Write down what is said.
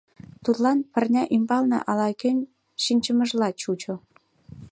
Тудлан пырня ӱмбалне ала-кӧн шинчымыжла чучо.